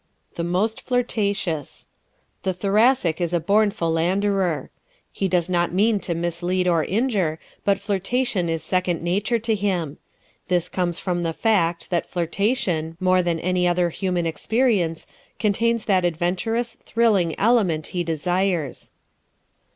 The Most Flirtatious ¶ The Thoracic is a born philanderer. He does not mean to mislead or injure, but flirtation is second nature to him. This comes from the fact that flirtation, more than any other human experience, contains that adventurous, thrilling element he desires.